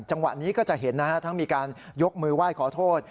จังหวะนี้ก็จะเห็นนะฮะทั้งมีการยกมือไหว้ขอโทษ